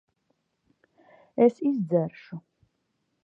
Es izdzeršu.